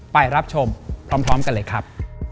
ไปรับชมพร้อมกันเลยครับ